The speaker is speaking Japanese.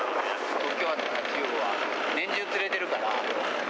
東京湾のタチウオは年中釣れてるから。